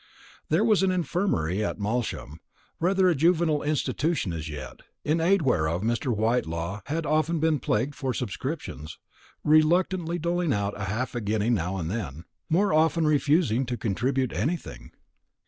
There was an infirmary at Malsham, rather a juvenile institution as yet, in aid whereof Mr. Whitelaw had often been plagued for subscriptions, reluctantly doling out half a guinea now and then, more often refusing to contribute anything.